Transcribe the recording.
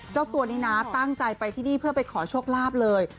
เจ้าตัวนี้นะตั้งใจไปที่นี่เพื่อไปขอโชคลาภเลย